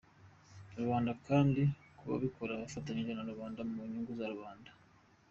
rubanda kandi bukabikora bufatanyije na rubanda, mu nyungu za rubanda.